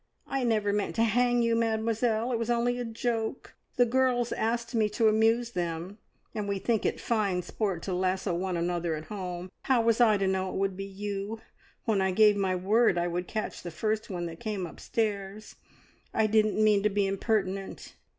"I never meant to hang you, Mademoiselle! It was only a joke. The girls asked me to amuse them, and we think it fine sport to lasso one another at home. How was I to know it would be you, when I gave my word I would catch the first one that came upstairs? I didn't mean to be impertinent."